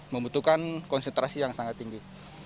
membutuhkan konsentrasi yang sangat tinggi